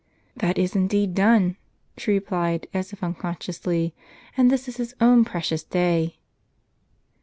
"That is indeed done," she replied, as if unconsciously; " and this is his own precious day."